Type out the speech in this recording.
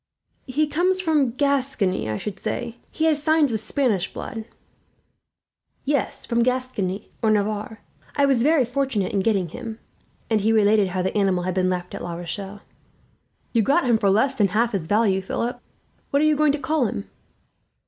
"He comes from Gascony, I should say. He has signs of Spanish blood." "Yes, from Gascony or Navarre. I was very fortunate in getting him," and he related how the animal had been left at La Rochelle. "You got him for less than half his value, Philip. What are you going to call him?"